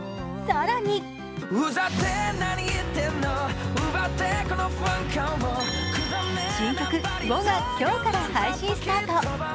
更に新曲「うぉ」が今日から配信スタート。